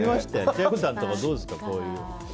千秋さんとかどうですか。